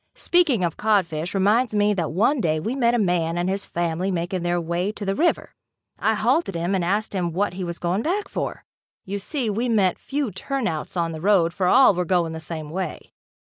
Speaking of codfish, reminds me that one day we met a man and his family making their way to the river. I halted him and asked him what he was going back for. You see we met few "turnouts" on the road for all were going the same way.